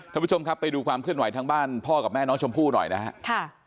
ท่านผู้ชมครับไปดูความเคลื่อนไหวทางบ้านพ่อกับแม่น้องชมพู่หน่อยนะครับ